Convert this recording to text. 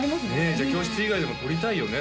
じゃあ教室以外でも撮りたいよね？